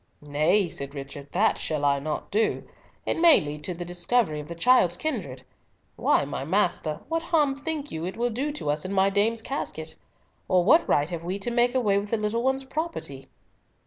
"Nay," said Richard, "that shall I not do. It may lead to the discovery of the child's kindred. Why, my master, what harm think you it will do to us in my dame's casket? Or what right have we to make away with the little one's property?"